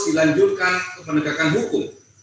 dilanjutkan kemenegakan hukum